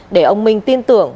để ông minh tin tưởng